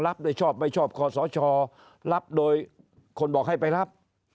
รับโดยชอบไม่ชอบคอสชรับโดยคนบอกให้ไปรับ